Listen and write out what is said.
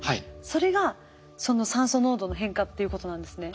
それがその酸素濃度の変化っていうことなんですね。